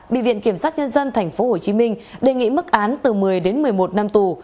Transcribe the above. bị viện kiểm sát nhân dân tp hcm đề nghị mức án từ một mươi đến một mươi một năm tù